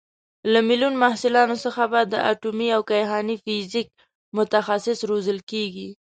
له میلیون محصلانو څخه به د اټومي او کیهاني فیزیک متخصص روزل کېږي.